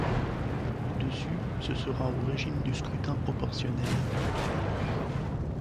Au-dessus, ce sera au régime du scrutin proportionnel.